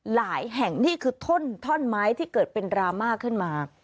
หลายแห่งนี่คือท่อนไม้ที่เกิดเป็นดราม่าขึ้นมา